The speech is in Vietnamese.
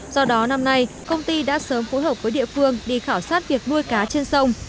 do đó năm nay công ty đã sớm phối hợp với địa phương đi khảo sát việc nuôi cá trên sông